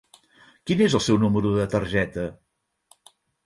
Quin és el seu número de targeta?